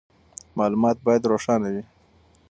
معلومات باید روښانه وي.